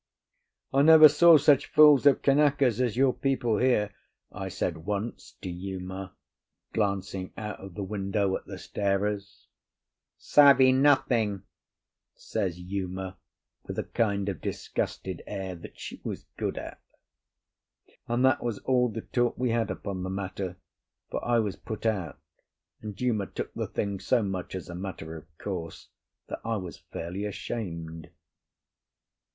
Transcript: "I never saw such fools of Kanakas as your people here," I said once to Uma, glancing out of the window at the starers. "Savvy nothing," says Uma, with a kind of disgusted air that she was good at. And that was all the talk we had upon the matter, for I was put out, and Uma took the thing so much as a matter of course that I was fairly ashamed.